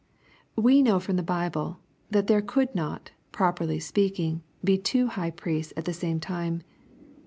] We know, from the Bible, that there could not, properly speaking, be two high priests at the same time.